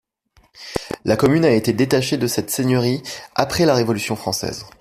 La commune a été détachée de cette seigneurie après la Révolution française.